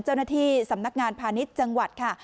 เจ้าหน้าที่สำนักงานพาณิชย์จังหวัดค่ะ